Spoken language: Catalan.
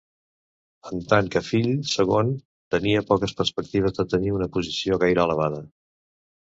En tant que fill segon, tenia poques perspectives de tenir una posició gaire elevada.